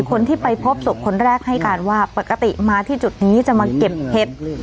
คนที่ไปพบศพคนแรกให้การว่าปกติมาที่จุดนี้จะมาเก็บเห็ด